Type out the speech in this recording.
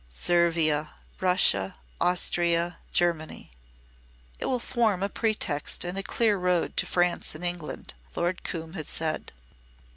"Servia, Russia, Austria, Germany. It will form a pretext and a clear road to France and England," Lord Coombe had said.